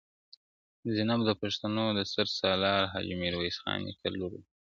زینب د پښتنو د ستر سالار حاجي میرویس خان نیکه لور وه,